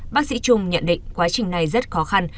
bác sĩ trung nhận định quá trình này rất khó khăn